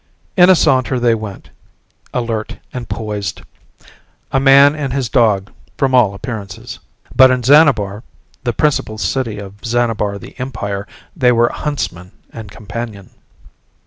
In a saunter they went, alert and poised. A man and his dog from all appearances. But in Xanabar, the principal city of Xanabar the Empire they were huntsman and companion.